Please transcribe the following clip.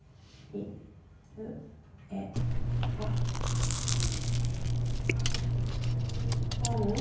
おん。